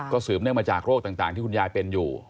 สืบเนื่องมาจากโรคต่างที่คุณยายเป็นอยู่